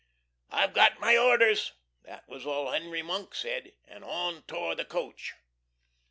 "I've got my orders!" That was all Henry Monk said. And on tore the coach.